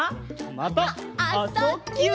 また「あ・そ・ぎゅ」